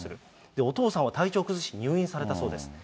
お父さんは体調を崩し、入院されたそうです。